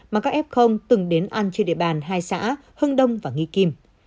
mà các f từng đến ăn trên địa bàn hai xã hưng đông và nghi kim